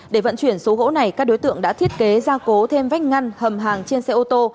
để vận chuyển số gỗ này các đối tượng đã thiết kế ra cố thêm vách ngăn hầm hàng trên xe ô tô